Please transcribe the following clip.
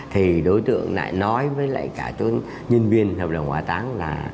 thì đối tượng lại nói với lại cả nhân viên hợp đồng hỏa táng là